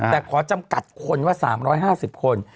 แต่ขอจำกัดคนว่า๓๕๐คน